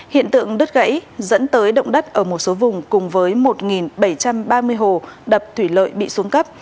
hiện tượng đứt gãy dẫn tới động đất ở một số vùng cùng với một bảy trăm ba mươi hồ đập thủy lợi bị xuống cấp